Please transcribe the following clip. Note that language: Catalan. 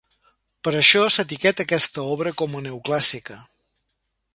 Per això s'etiqueta aquesta obra com a Neoclàssica.